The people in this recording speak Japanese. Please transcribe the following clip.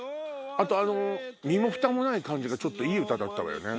あと身もふたもない感じがちょっといい歌だったわよね。